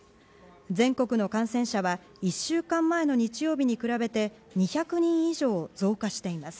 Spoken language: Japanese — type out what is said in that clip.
全国の感染者は１週間前の日曜日に比べて２００人以上増加しています。